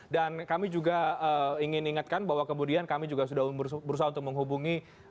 dan kami juga ingin ingatkan bahwa kemudian kami juga sudah berusaha untuk menghubungi